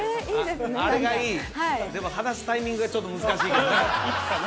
でも離すタイミングがちょっと難しいけどね